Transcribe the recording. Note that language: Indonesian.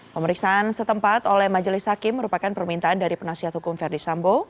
pemeriksaan setempat oleh majelis hakim merupakan permintaan dari penasihat hukum verdi sambo